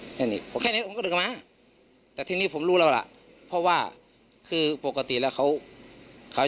จนใดเจ้าของร้านเบียร์ยิงใส่หลายนัดเลยค่ะ